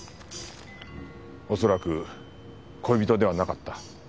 恐らく恋人ではなかった。